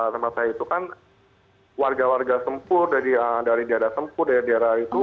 tempat saya itu kan warga warga sempur dari daerah sempur dari daerah itu